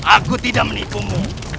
aku tidak menipumu